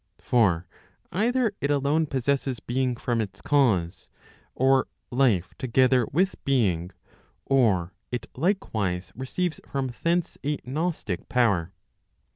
For either it alone possesses being from its cause, or life together with being, or it likewise receives from thence a gnostic power.